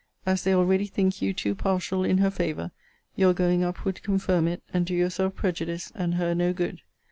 As they already think you too partial in her favour, your going up would confirm it, and do yourself prejudice, and her no good.